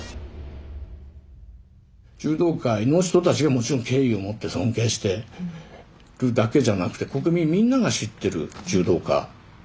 柔道界の人たちがもちろん敬意を持って尊敬してるだけじゃなくて国民みんなが知ってる柔道家ですよ。